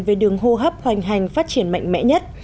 về đường hô hấp hoành hành phát triển mạnh mẽ nhất